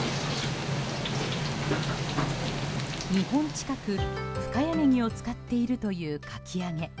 ２本近く深谷ねぎを使っているというかき揚げ。